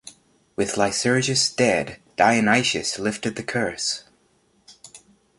With Lycurgus dead, Dionysus lifted the curse.